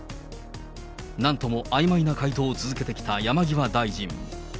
なんともあいまいな回答を続けてきた山際大臣。